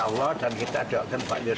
saya melakukan hal yang sangat mandiri